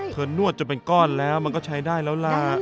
นวดจนเป็นก้อนแล้วมันก็ใช้ได้แล้วล่ะ